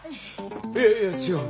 いやいや違う。